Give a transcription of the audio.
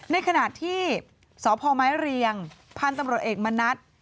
ในขณะที่สพมเรียงพันธุ์ตำรวจเอกมณัฐ